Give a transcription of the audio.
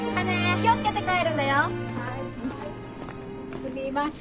すみません。